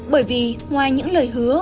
bởi vì ngoài những lời hứa